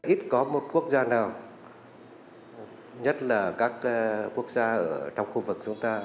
ít có một quốc gia nào nhất là các quốc gia ở trong khu vực chúng ta